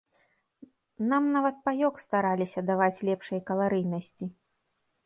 Нам нават паёк стараліся даваць лепшай каларыйнасці.